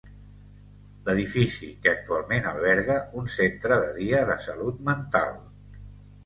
L'edifici, que actualment alberga un centre de dia de salut mental.